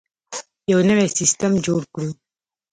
یو نوی سیستم جوړ کړو.